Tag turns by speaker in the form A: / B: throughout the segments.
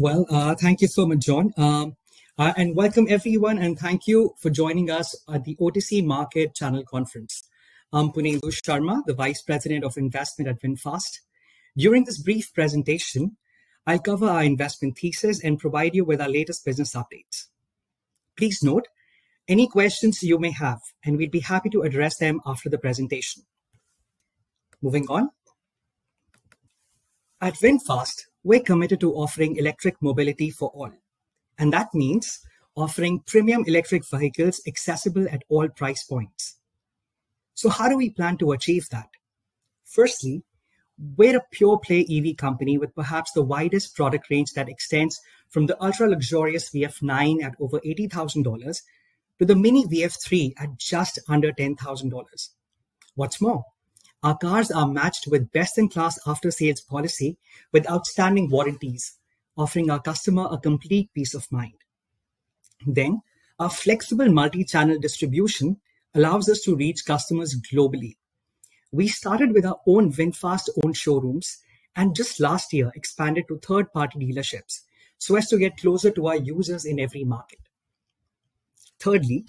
A: Well, thank you so much, John. And welcome, everyone, and thank you for joining us at the OTC Market Channel Conference. I'm Puneet Sharma, the Vice President of Investment at VinFast. During this brief presentation, I'll cover our investment thesis and provide you with our latest business updates. Please note any questions you may have, and we'd be happy to address them after the presentation. Moving on. At VinFast, we're committed to offering electric mobility for all. And that means offering premium electric vehicles accessible at all price points. So how do we plan to achieve that? Firstly, we're a pure-play EV company with perhaps the widest product range that extends from the ultra-luxurious VF 9 at over $80,000 to the mini VF 3 at just under $10,000. What's more, our cars are matched with best-in-class after-sales policy with outstanding warranties, offering our customer a complete peace of mind. Then, our flexible multi-channel distribution allows us to reach customers globally. We started with our own VinFast-owned showrooms and just last year expanded to third-party dealerships so as to get closer to our users in every market. Thirdly,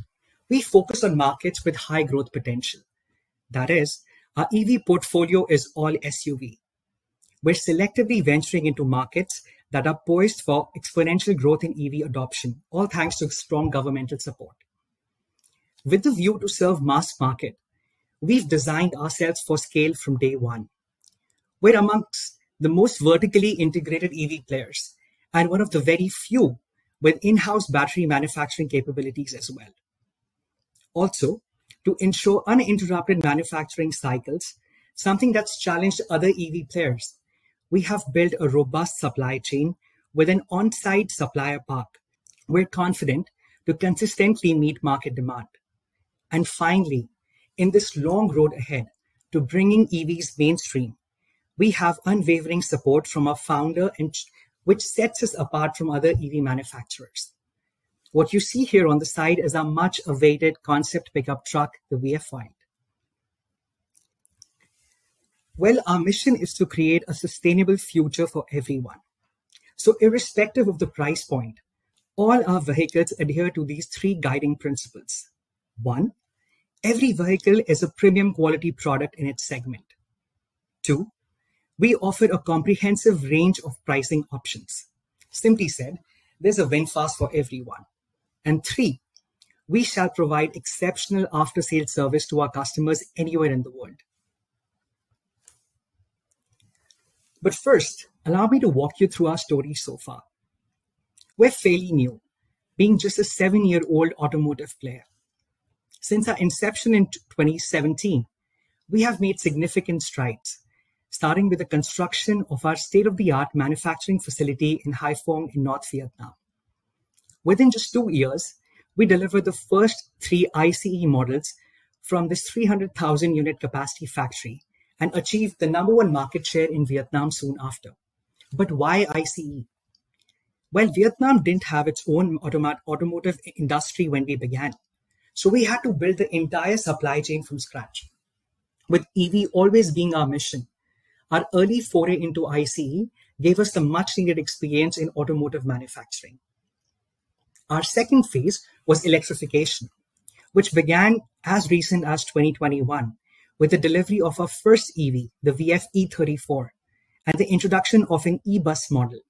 A: we focus on markets with high growth potential. That is, our EV portfolio is all SUV. We're selectively venturing into markets that are poised for exponential growth in EV adoption, all thanks to strong governmental support. With the view to serve mass market, we've designed ourselves for scale from day one. We're amongst the most vertically integrated EV players and one of the very few with in-house battery manufacturing capabilities as well. Also, to ensure uninterrupted manufacturing cycles, something that's challenged other EV players, we have built a robust supply chain with an on-site supplier park. We're confident to consistently meet market demand. Finally, in this long road ahead to bringing EVs mainstream, we have unwavering support from our founder, which sets us apart from other EV manufacturers. What you see here on the side is our much-awaited concept pickup truck, the VF5. Well, our mission is to create a sustainable future for everyone. Irrespective of the price point, all our vehicles adhere to these three guiding principles. One, every vehicle is a premium-quality product in its segment. Two, we offer a comprehensive range of pricing options. Simply said, there's a VinFast for everyone. And three, we shall provide exceptional after-sales service to our customers anywhere in the world. First, allow me to walk you through our story so far. We're fairly new, being just a 7-year-old automotive player. Since our inception in 2017, we have made significant strides, starting with the construction of our state-of-the-art manufacturing facility in Hải Phòng in North Vietnam. Within just two years, we delivered the first three ICE models from this 300,000-unit capacity factory and achieved the number one market share in Vietnam soon after. But why ICE? Well, Vietnam didn't have its own automotive industry when we began. So we had to build the entire supply chain from scratch. With EV always being our mission, our early foray into ICE gave us the much-needed experience in automotive manufacturing. Our second phase was electrification, which began as recent as 2021 with the delivery of our first EV, the VF e34, and the introduction of an E-bus model.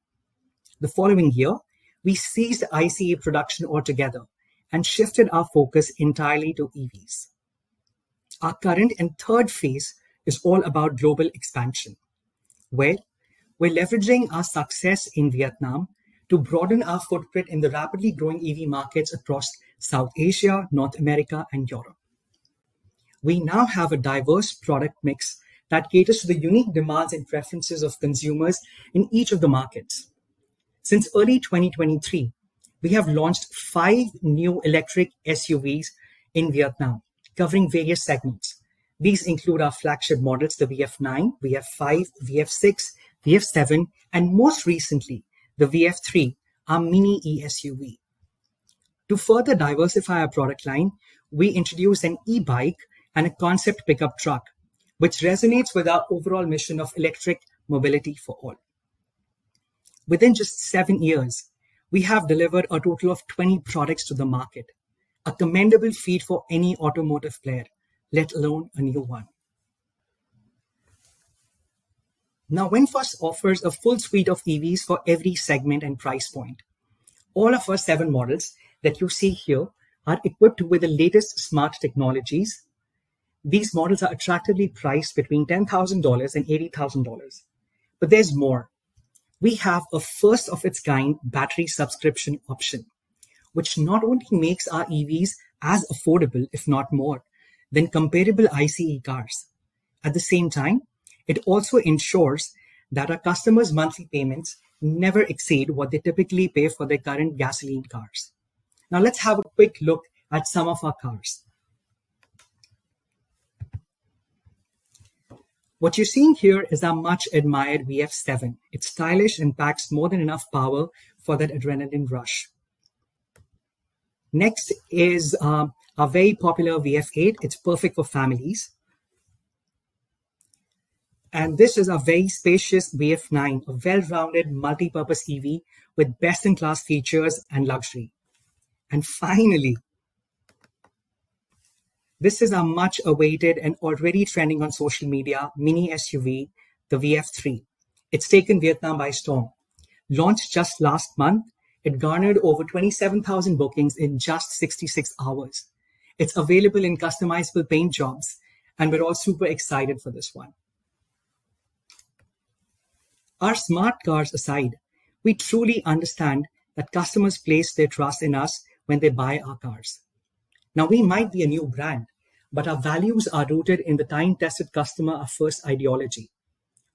A: The following year, we ceased ICE production altogether and shifted our focus entirely to EVs. Our current and third phase is all about global expansion. Well, we're leveraging our success in Vietnam to broaden our footprint in the rapidly growing EV markets across South Asia, North America, and Europe. We now have a diverse product mix that caters to the unique demands and preferences of consumers in each of the markets. Since early 2023, we have launched five new electric SUVs in Vietnam, covering various segments. These include our flagship models, the VF 9, VF5, VF 6, VF 7, and most recently, the VF 3, our mini eSUV. To further diversify our product line, we introduced an e-bike and a concept pickup truck, which resonates with our overall mission of electric mobility for all. Within just seven years, we have delivered a total of 20 products to the market, a commendable feat for any automotive player, let alone a new one. Now, VinFast offers a full suite of EVs for every segment and price point. All of our seven models that you see here are equipped with the latest smart technologies. These models are attractively priced between $10,000 and $80,000. There's more. We have a first-of-its-kind battery subscription option, which not only makes our EVs as affordable, if not more, than comparable ICE cars. At the same time, it also ensures that our customers' monthly payments never exceed what they typically pay for their current gasoline cars. Now, let's have a quick look at some of our cars. What you're seeing here is our much-admired VF 7. It's stylish and packs more than enough power for that adrenaline rush. Next is our very popular VF 8. It's perfect for families. This is our very spacious VF 9, a well-rounded multipurpose EV with best-in-class features and luxury. Finally, this is our much-awaited and already trending on social media mini SUV, the VF 3. It's taken Vietnam by storm. Launched just last month, it garnered over 27,000 bookings in just 66 hours. It's available in customizable paint jobs, and we're all super excited for this one. Our smart cars aside, we truly understand that customers place their trust in us when they buy our cars. Now, we might be a new brand, but our values are rooted in the time-tested customer-of-first ideology.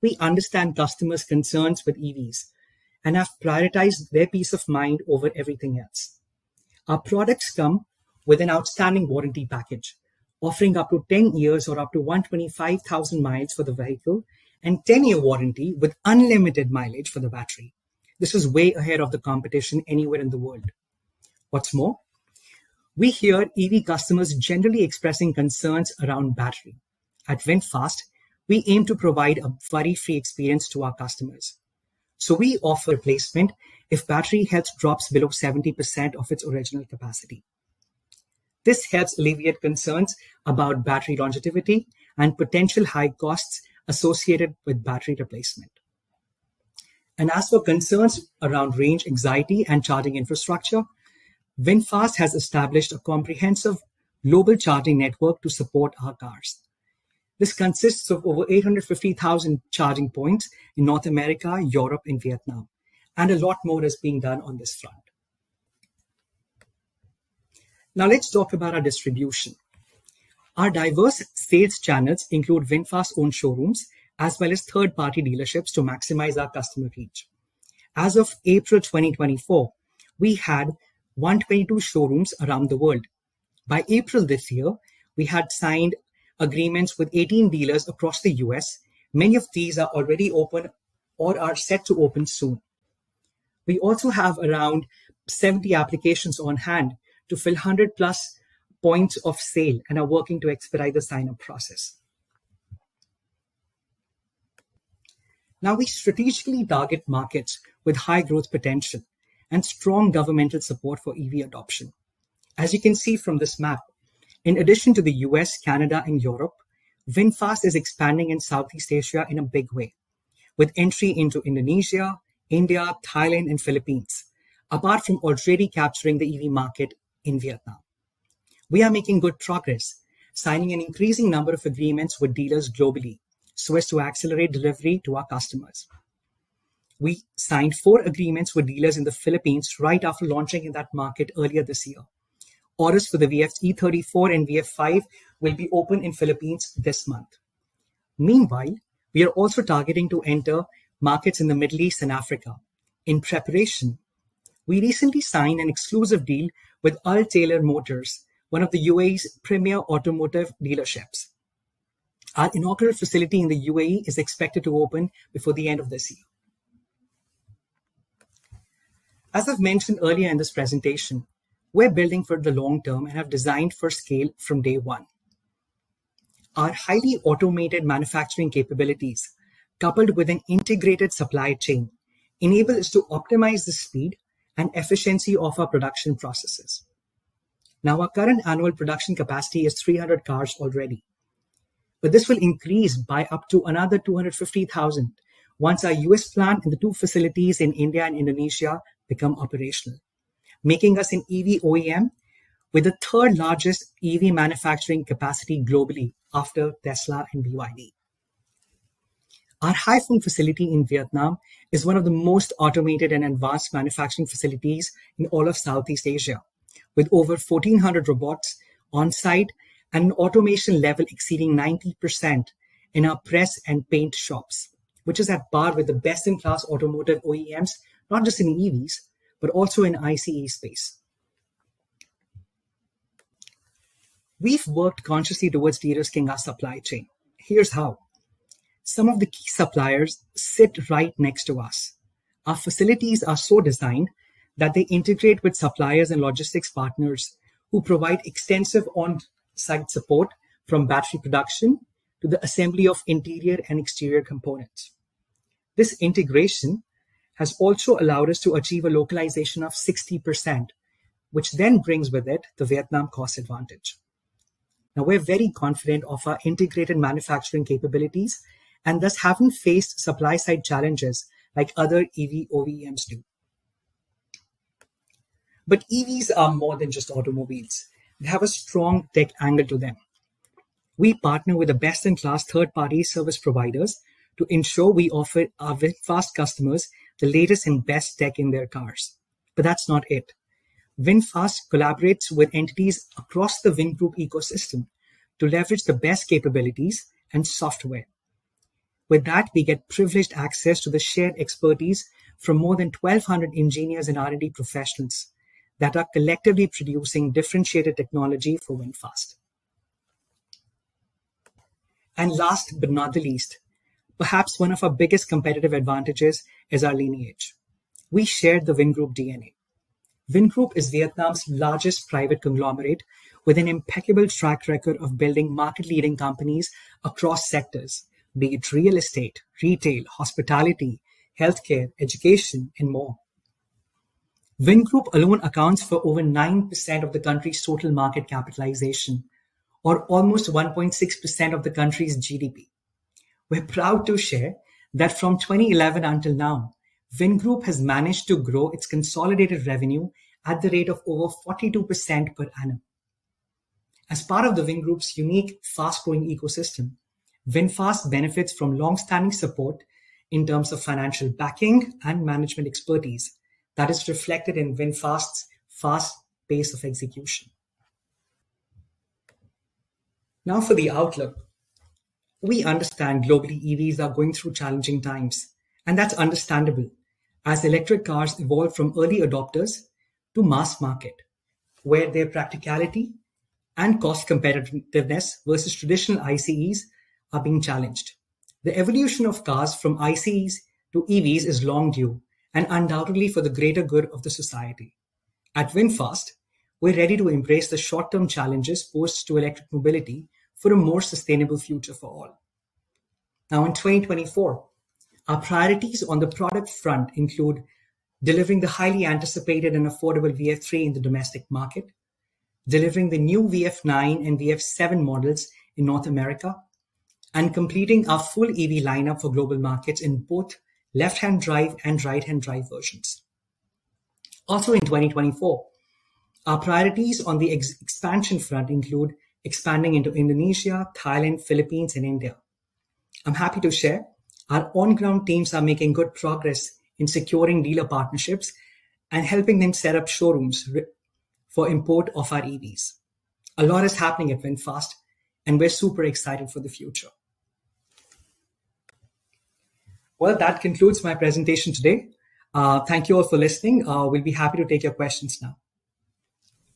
A: We understand customers' concerns with EVs and have prioritized their peace of mind over everything else. Our products come with an outstanding warranty package, offering up to 10 years or up to 125,000 miles for the vehicle and a 10-year warranty with unlimited mileage for the battery. This is way ahead of the competition anywhere in the world. What's more, we hear EV customers generally expressing concerns around battery. At VinFast, we aim to provide a worry-free experience to our customers. So we offer replacement if battery health drops below 70% of its original capacity. This helps alleviate concerns about battery longevity and potential high costs associated with battery replacement. As for concerns around range anxiety and charging infrastructure, VinFast has established a comprehensive global charging network to support our cars. This consists of over 850,000 charging points in North America, Europe, and Vietnam, and a lot more is being done on this front. Now, let's talk about our distribution. Our diverse sales channels include VinFast's own showrooms as well as third-party dealerships to maximize our customer reach. As of April 2024, we had 122 showrooms around the world. By April this year, we had signed agreements with 18 dealers across the U.S. Many of these are already open or are set to open soon. We also have around 70 applications on hand to fill 100+ points of sale and are working to expedite the sign-up process. Now, we strategically target markets with high growth potential and strong governmental support for EV adoption. As you can see from this map, in addition to the U.S., Canada, and Europe, VinFast is expanding in Southeast Asia in a big way, with entry into Indonesia, India, Thailand, and Philippines, apart from already capturing the EV market in Vietnam. We are making good progress, signing an increasing number of agreements with dealers globally so as to accelerate delivery to our customers. We signed four agreements with dealers in the Philippines right after launching in that market earlier this year. Orders for the VF e34 and VF 5 will be open in the Philippines this month. Meanwhile, we are also targeting to enter markets in the Middle East and Africa. In preparation, we recently signed an exclusive deal with Al Tayer Motors, one of the UAE's premier automotive dealerships. Our inaugural facility in the UAE is expected to open before the end of this year. As I've mentioned earlier in this presentation, we're building for the long term and have designed for scale from day one. Our highly automated manufacturing capabilities, coupled with an integrated supply chain, enable us to optimize the speed and efficiency of our production processes. Now, our current annual production capacity is 300 cars already. But this will increase by up to another 250,000 once our U.S. plant and the two facilities in India and Indonesia become operational, making us an EV OEM with the third-largest EV manufacturing capacity globally after Tesla and BYD. Our Hải Phòng facility in Vietnam is one of the most automated and advanced manufacturing facilities in all of Southeast Asia, with over 1,400 robots on site and an automation level exceeding 90% in our press and paint shops, which is at par with the best-in-class automotive OEMs, not just in EVs, but also in ICE space. We've worked consciously towards de-risking our supply chain. Here's how. Some of the key suppliers sit right next to us. Our facilities are so designed that they integrate with suppliers and logistics partners who provide extensive on-site support from battery production to the assembly of interior and exterior components. This integration has also allowed us to achieve a localization of 60%, which then brings with it the Vietnam cost advantage. Now, we're very confident of our integrated manufacturing capabilities and thus haven't faced supply-side challenges like other EV OEMs do. But EVs are more than just automobiles. They have a strong tech angle to them. We partner with the best-in-class third-party service providers to ensure we offer our VinFast customers the latest and best tech in their cars. But that's not it. VinFast collaborates with entities across the Vingroup ecosystem to leverage the best capabilities and software. With that, we get privileged access to the shared expertise from more than 1,200 engineers and R&D professionals that are collectively producing differentiated technology for VinFast. And last but not the least, perhaps one of our biggest competitive advantages is our lineage. We share the Vingroup DNA. Vingroup is Vietnam's largest private conglomerate with an impeccable track record of building market-leading companies across sectors, be it real estate, retail, hospitality, healthcare, education, and more. Vingroup alone accounts for over 9% of the country's total market capitalization or almost 1.6% of the country's GDP. We're proud to share that from 2011 until now, Vingroup has managed to grow its consolidated revenue at the rate of over 42% per annum. As part of the Vingroup's unique fast-growing ecosystem, VinFast benefits from long-standing support in terms of financial backing and management expertise that is reflected in VinFast's fast pace of execution. Now, for the outlook, we understand globally EVs are going through challenging times, and that's understandable as electric cars evolve from early adopters to mass market, where their practicality and cost competitiveness versus traditional ICEs are being challenged. The evolution of cars from ICEs to EVs is long due and undoubtedly for the greater good of the society. At VinFast, we're ready to embrace the short-term challenges posed to electric mobility for a more sustainable future for all. Now, in 2024, our priorities on the product front include delivering the highly anticipated and affordable VF 3 in the domestic market, delivering the new VF 9 and VF 7 models in North America, and completing our full EV lineup for global markets in both left-hand drive and right-hand drive versions. Also, in 2024, our priorities on the expansion front include expanding into Indonesia, Thailand, Philippines, and India. I'm happy to share our on-ground teams are making good progress in securing dealer partnerships and helping them set up showrooms for import of our EVs. A lot is happening at VinFast, and we're super excited for the future. Well, that concludes my presentation today. Thank you all for listening. We'll be happy to take your questions now.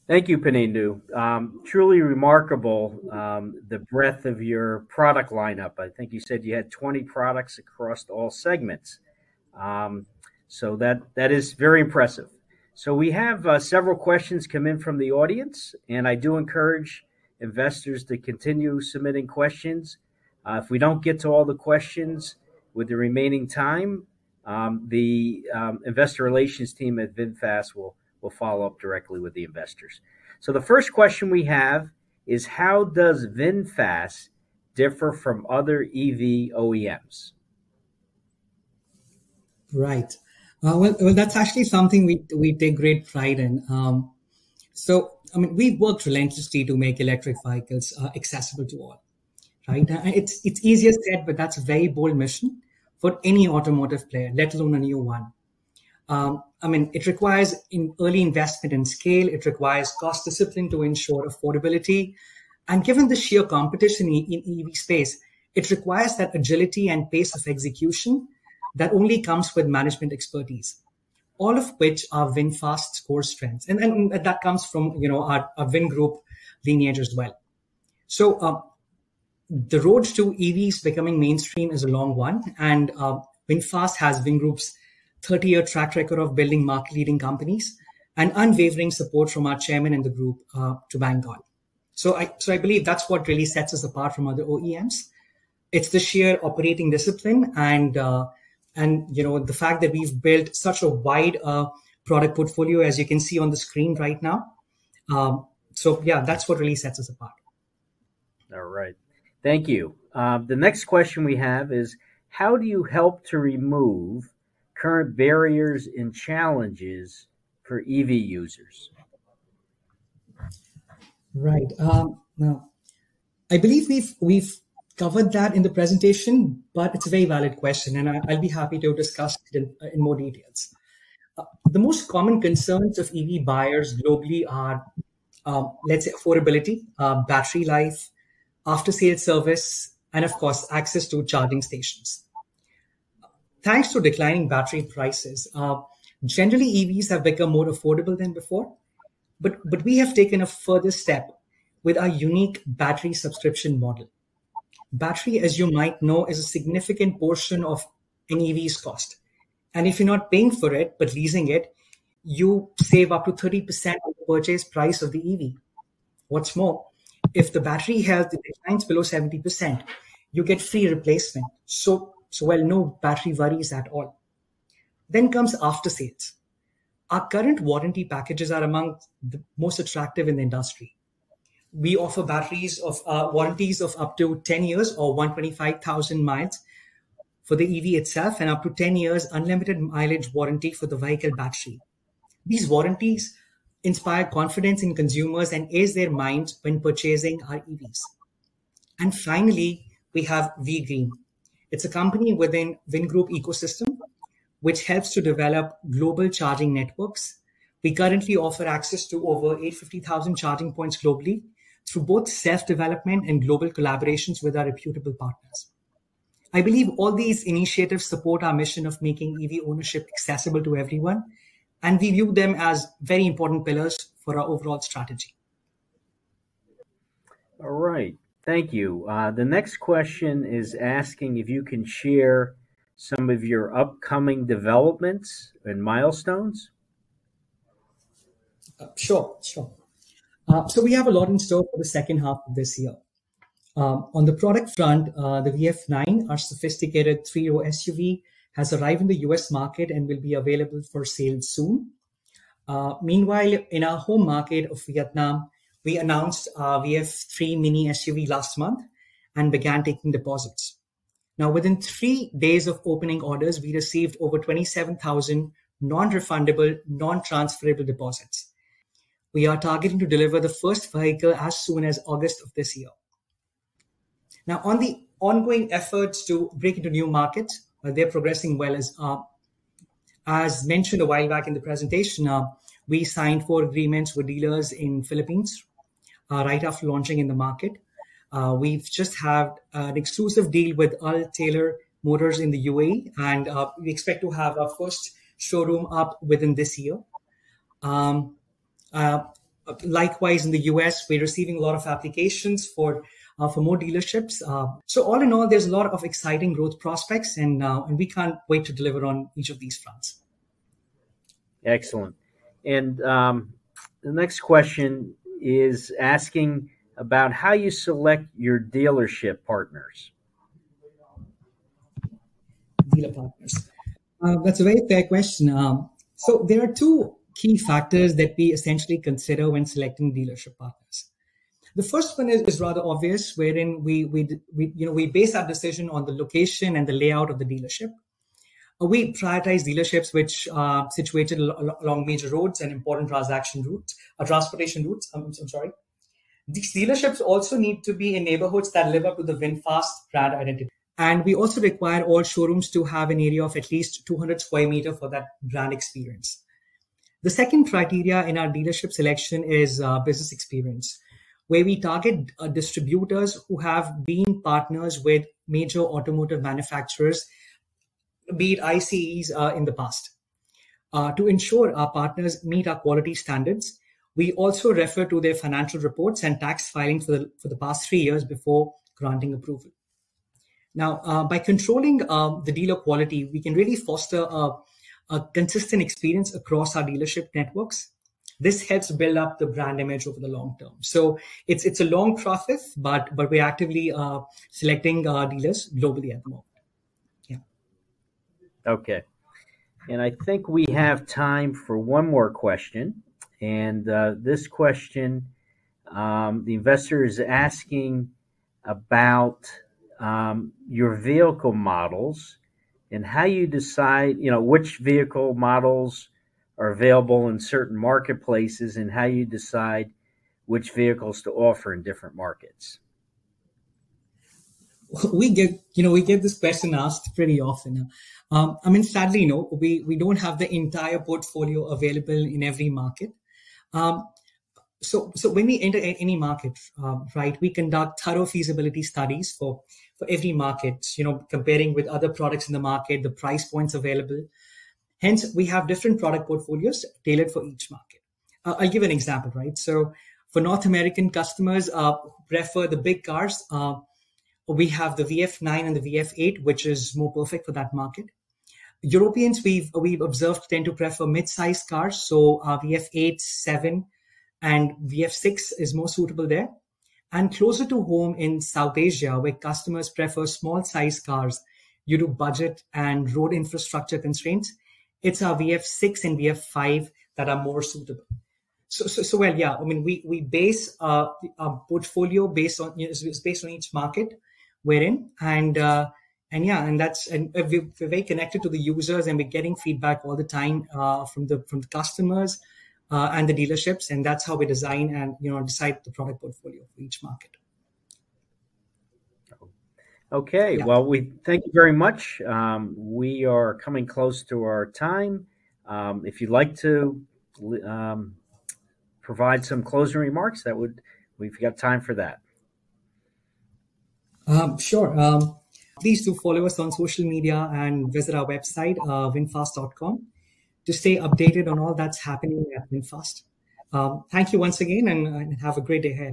B: Thank you, Puneet. Truly remarkable, the breadth of your product lineup. I think you said you had 20 products across all segments. So that is very impressive. So we have several questions come in from the audience, and I do encourage investors to continue submitting questions. If we don't get to all the questions with the remaining time, the investor relations team at VinFast will follow up directly with the investors. So the first question we have is, how does VinFast differ from other EV OEMs? Right. Well, that's actually something we take great pride in. So, I mean, we've worked relentlessly to make electric vehicles accessible to all.
A: Right? It's easier said, but that's a very bold mission for any automotive player, let alone a new one. I mean, it requires early investment and scale. It requires cost discipline to ensure affordability. And given the sheer competition in EV space, it requires that agility and pace of execution that only comes with management expertise, all of which are VinFast's core strengths. That comes from our Vingroup lineage as well. The road to EVs becoming mainstream is a long one. VinFast has Vingroup's 30-year track record of building market-leading companies and unwavering support from our chairman and the group to bank on. I believe that's what really sets us apart from other OEMs. It's the sheer operating discipline and the fact that we've built such a wide product portfolio, as you can see on the screen right now. Yeah, that's what really sets us apart.
B: All right. Thank you. The next question we have is, how do you help to remove current barriers and challenges for EV users?
A: Right. Now, I believe we've covered that in the presentation, but it's a very valid question, and I'll be happy to discuss it in more details. The most common concerns of EV buyers globally are, let's say, affordability, battery life, after-sales service, and of course, access to charging stations. Thanks to declining battery prices, generally, EVs have become more affordable than before. But we have taken a further step with our unique battery subscription model. Battery, as you might know, is a significant portion of an EV's cost. And if you're not paying for it, but leasing it, you save up to 30% of the purchase price of the EV. What's more, if the battery health declines below 70%, you get free replacement. So while no battery worries at all, then comes after-sales. Our current warranty packages are among the most attractive in the industry. We offer batteries of warranties of up to 10 years or 125,000 miles for the EV itself and up to 10 years unlimited mileage warranty for the vehicle battery. These warranties inspire confidence in consumers and ease their minds when purchasing our EVs. And finally, we have V-GREEN. It's a company within Vingroup ecosystem, which helps to develop global charging networks. We currently offer access to over 850,000 charging points globally through both self-development and global collaborations with our reputable partners. I believe all these initiatives support our mission of making EV ownership accessible to everyone, and we view them as very important pillars for our overall strategy.
B: All right. Thank you. The next question is asking if you can share some of your upcoming developments and milestones. Sure, sure. So we have a lot in store for the second half of this year. On the product front, the VF 9, our sophisticated three-row SUV, has arrived in the U.S. market and will be available for sale soon.
A: Meanwhile, in our home market of Vietnam, we announced our VF 3 mini SUV last month and began taking deposits. Now, within three days of opening orders, we received over 27,000 non-refundable, non-transferable deposits. We are targeting to deliver the first vehicle as soon as August of this year. Now, on the ongoing efforts to break into new markets, they're progressing well as well. As mentioned a while back in the presentation, we signed four agreements with dealers in the Philippines right after launching in the market. We've just had an exclusive deal with Al Tayer Motors in the U.A.E., and we expect to have our first showroom up within this year. Likewise, in the U.S., we're receiving a lot of applications for more dealerships. So all in all, there's a lot of exciting growth prospects, and we can't wait to deliver on each of these fronts.
B: Excellent. The next question is asking about how you select your dealership partners.
A: Dealer partners. That's a very fair question. So there are two key factors that we essentially consider when selecting dealership partners. The first one is rather obvious, wherein we base our decision on the location and the layout of the dealership. We prioritize dealerships which are situated along major roads and important transportation routes. I'm sorry. These dealerships also need to be in neighborhoods that live up to the VinFast brand identity. And we also require all showrooms to have an area of at least 200 square meters for that brand experience. The second criteria in our dealership selection is business experience, where we target distributors who have been partners with major automotive manufacturers, be it ICEs in the past. To ensure our partners meet our quality standards, we also refer to their financial reports and tax filing for the past three years before granting approval. Now, by controlling the dealer quality, we can really foster a consistent experience across our dealership networks. This helps build up the brand image over the long term. So it's a long process, but we're actively selecting dealers globally at the moment.
B: Yeah. Okay. And I think we have time for one more question. And this question, the investor is asking about your vehicle models and how you decide which vehicle models are available in certain marketplaces and how you decide which vehicles to offer in different markets.
A: We get this question asked pretty often. I mean, sadly, we don't have the entire portfolio available in every market. So when we enter any market, right, we conduct thorough feasibility studies for every market, comparing with other products in the market, the price points available. Hence, we have different product portfolios tailored for each market. I'll give an example, right? So for North American customers who prefer the big cars, we have the VF 9 and the VF 8, which is more perfect for that market. Europeans, we've observed, tend to prefer mid-sized cars. So VF 8, VF 7, and VF 6 is more suitable there. And closer to home in South Asia, where customers prefer small-sized cars due to budget and road infrastructure constraints, it's our VF 6 and VF5 that are more suitable. So well, yeah, I mean, we base our portfolio based on each market we're in. And yeah, and we're very connected to the users, and we're getting feedback all the time from the customers and the dealerships. That's how we design and decide the product portfolio for each market.
B: Okay. Well, thank you very much. We are coming close to our time. If you'd like to provide some closing remarks, we've got time for that.
A: Sure. Please do follow us on social media and visit our website, vinfast.com, to stay updated on all that's happening at VinFast. Thank you once again, and have a great day ahead.